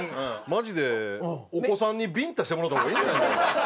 マジでお子さんにビンタしてもらった方がいいんじゃないですか？